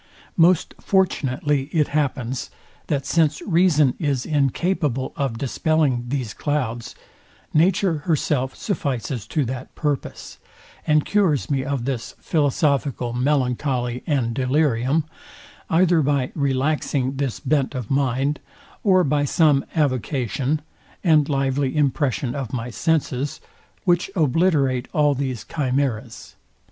Most fortunately it happens, that since reason is incapable of dispelling these clouds, nature herself suffices to that purpose, and cures me of this philosophical melancholy and delirium, either by relaxing this bent of mind, or by some avocation, and lively impression of my senses, which obliterate all these chimeras.